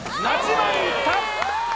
番いった！